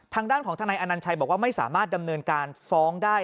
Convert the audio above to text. ทางด้านของทนายอนัญชัยบอกว่าไม่สามารถดำเนินการฟ้องได้